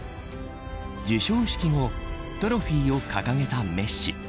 授賞式後トロフィーを掲げたメッシ。